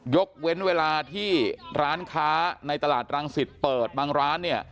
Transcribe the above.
ยกเว้นเวลาที่ร้านค้าในตลาดรังสิตเปิดบางร้านเนี่ย